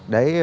để phối hợp